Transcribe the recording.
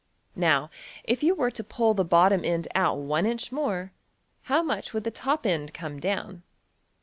Now, if you were to pull the bottom end out $1$~inch more, how much would the top end come down?